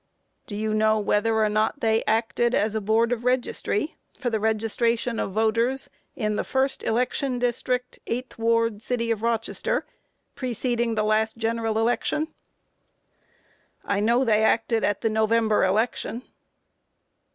Q. Do you know whether or not they acted as a Board of Registry for the registration of voters in the first election district, 8th ward, City of Rochester, preceding the last general election? A. I know they acted at the November election.